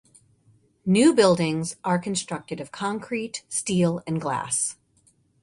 The new buildings are constructed of concrete, steel and glass.